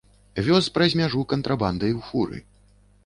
Вёз праз мяжу кантрабандай у фуры.